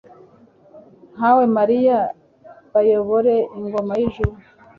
nkawe mariya, bayobore ingoma y'ijuru